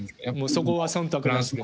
そこは忖度なしで。